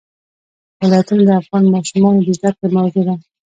ولایتونه د افغان ماشومانو د زده کړې موضوع ده.